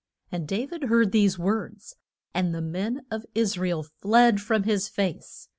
And Da vid heard his words. And the men of Is ra el fled from his face.